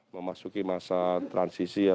memasuki masa transisi